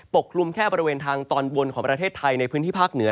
กลุ่มแค่บริเวณทางตอนบนของประเทศไทยในพื้นที่ภาคเหนือ